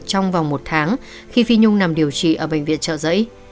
trong vòng một tháng khi phi nhung nằm điều trị ở bệnh viện trở dậy